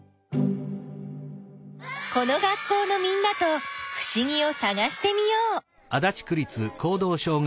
この学校のみんなとふしぎをさがしてみよう。